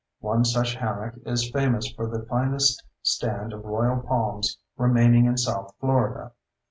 One such hammock is famous for the finest stand of royal palms remaining in south Florida.